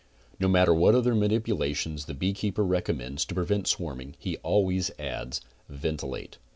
No matter what other manipulations the beekeeper recommends to prevent swarming, he always adds "VENTILATE".